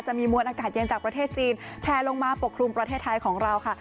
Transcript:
มีมวลอากาศเย็นจากประเทศจีนแพลลงมาปกครุมประเทศไทยของเราค่ะ